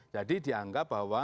jadi dianggap bahwa